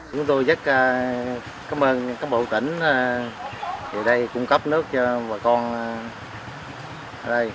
chúng tôi rất cảm ơn các bộ tỉnh về đây cung cấp nước cho bà con ở đây